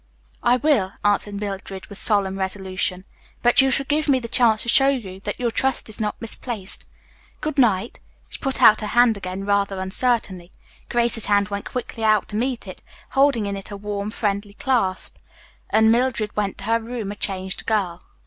"I will," answered Mildred with solemn resolution, "but you shall give me the chance to show you that your trust is not misplaced. Good night," she put out her hand again rather uncertainly. Grace's hand went quickly out to meet it, holding it in a warm, friendly clasp, and Mildred went to her room a changed girl.